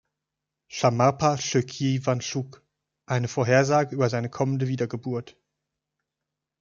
Shamarpa Chökyi Wangchug eine Vorhersage über seine kommende Wiedergeburt.